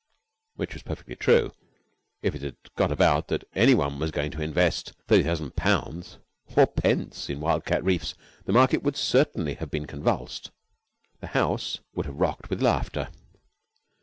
Which was perfectly true. If it had got about that any one was going to invest thirty thousand pounds or pence in Wildcat Reefs, the market would certainly have been convulsed. The House would have rocked with laughter.